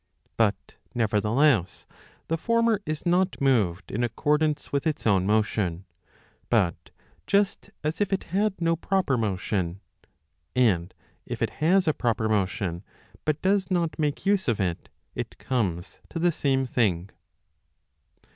But nevertheless, the former is not moved in accordance with its own motion, but just as if it had no proper motion ; and if it has a proper motion, but docs not make use of it, it comes to the same thing.